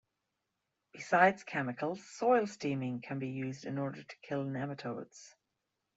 Besides chemicals, soil steaming can be used in order to kill nematodes.